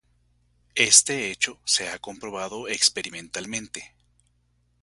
Éste hecho se ha comprobado experimentalmente.